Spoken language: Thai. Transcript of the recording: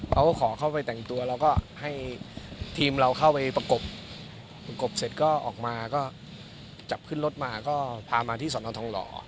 เขาก็ขอเข้าไปแต่งตัวเราก็ให้ทีมเราเข้าไปประกบประกบเสร็จก็ออกมาก็จับขึ้นรถมาก็พามาที่สนทองหล่อ